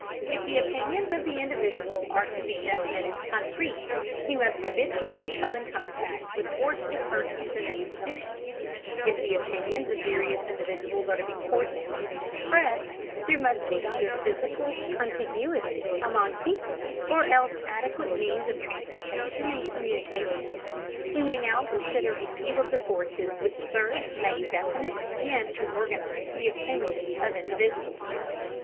If the opinions of the individual are to be definite and concrete, he must habitually come in contact with forceful persons and institutions; if the opinions of various individuals are to be co÷rdinated and expressed there must be either physical contiguity among people, or else adequate means of transportation and communication. We may now consider a few of the forces which serve to make definite and to organize the opinions of individuals.